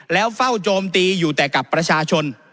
แล้วเฝ้าโจมตีอยู่แต่กับประชาชน